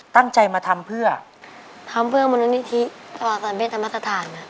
ตั้งใจมาทำเพื่อทำเพื่อมูลนิธิศาสตร์เป็นธรรมสถาน